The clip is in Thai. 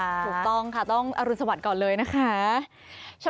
ถูกต้องค่ะต้องอรุณสวัสดิ์ก่อนเลยนะคะ